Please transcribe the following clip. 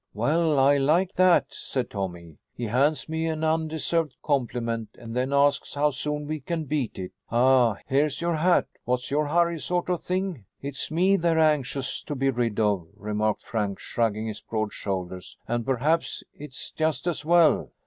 "Well, I like that," said Tommy. "He hands me an undeserved compliment and then asks how soon we can beat it. A 'here's your hat, what's your hurry' sort of thing." "It's me they're anxious to be rid of," remarked Frank, shrugging his broad shoulders, "and perhaps it is just as well."